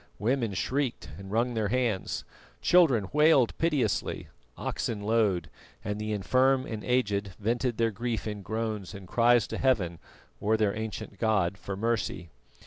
Women shrieked and wrung their hands, children wailed piteously, oxen lowed, and the infirm and aged vented their grief in groans and cries to Heaven, or their ancient god, for mercy.